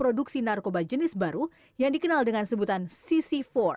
frage di dua ketika freddy pun menjalankan bisnis baru yang dikenal dengan sebutan cc empat